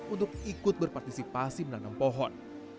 untuk ikut berpartisipasi menanam pohon